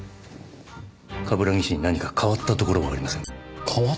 冠城氏に何か変わったところはありませんか？